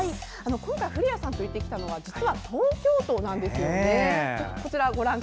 今回古谷さんと行ってきたのは実は東京都なんですよね。